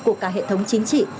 của cả hệ thống chính trị